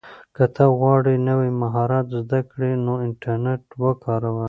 که ته غواړې نوی مهارت زده کړې نو انټرنیټ وکاروه.